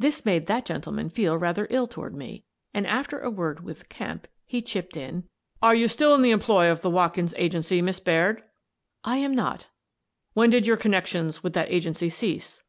This made that gentleman feel rather ill toward me, and, after a word with Kemp, he chipped in: The Inquest 179 "Are you still in the employ of the Watkins Agency, Miss Baird?" "lam not" "When did your connections with that agency cease?"